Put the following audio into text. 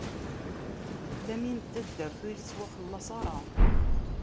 Lamin n taddart, ur ittwaxellaṣ ara.